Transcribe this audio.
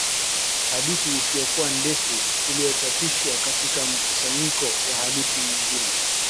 hadithi isiyokuwa ndefu iliyochapishwa katika mkusanyiko wa hadithi nyingine.